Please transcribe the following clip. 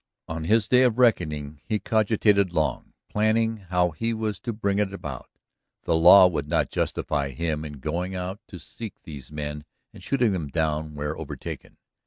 On his day of reckoning he cogitated long, planning how he was to bring it about. The law would not justify him in going out to seek these men and shooting them down where overtaken.